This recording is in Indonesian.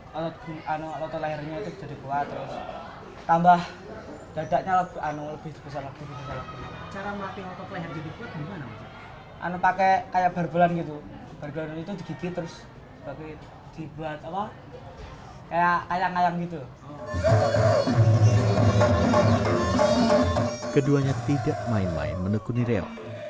mereka main main menekuni reok